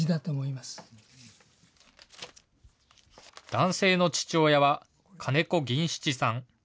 男性の父親は金子銀七さん。